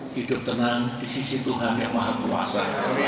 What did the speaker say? hidup tenang di sisi tuhan yang maha kuasa